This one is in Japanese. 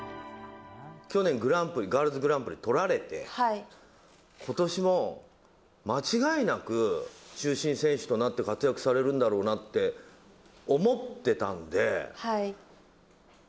去年、グランプリ、ガールズグランプリ取られて、ことしも間違いなく中心選手となって活躍されるんだろうなって思ってたんで。